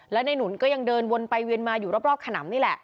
แล้วในหนุนก็ยังเดินวนไปเวียนมาอยู่รอบขนำนี่แหละ